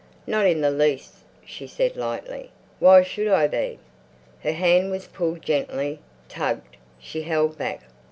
"Not in the least," she said lightly. "Why should I be?" Her hand was pulled gently, tugged. She held back.